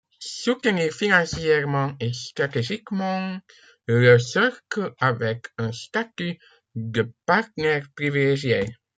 Soutenir financièrement et stratégiquement le Cercle avec un statut de partenaire privilégié.